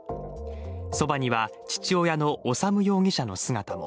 そばには父親の修容疑者の姿も。